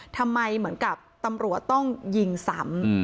ทำไมเหมือนกับตำรวจต้องยิงสำ